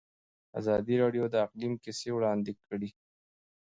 ازادي راډیو د اقلیم کیسې وړاندې کړي.